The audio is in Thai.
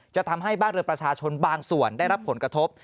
จะทำให้บ้านเรือนประชาชนบางส่วนได้รับผลกระทบ